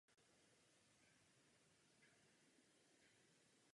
Žil tam do konce vysokoškolských studií.